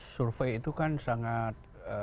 survei itu kan sangat